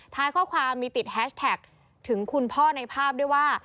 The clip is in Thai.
ข้อความมีติดแฮชแท็กถึงคุณพ่อในภาพด้วยว่า